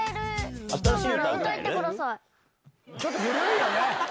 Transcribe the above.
ちょっと古いよね。